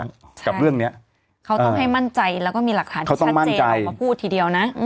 ใช่กับเรื่องเนี้ยเขาต้องให้มั่นใจแล้วก็มีหลักฐานเขาต้องมั่นใจออกมาพูดทีเดียวน่ะอืม